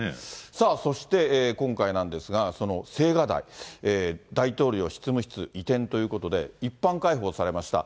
さあ、そして今回なんですが、その青瓦台、大統領執務室移転ということで、一般開放されました。